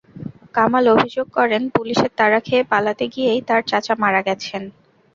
কামাল অভিযোগ করেন, পুলিশের তাড়া খেয়ে পালাতে গিয়েই তাঁর চাচা মারা গেছেন।